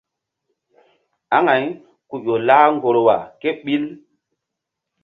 Aŋay ku ƴo lah ŋgorwa kéɓil.